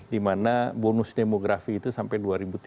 dimana bonus demografi itu sampai dua ribu tiga puluh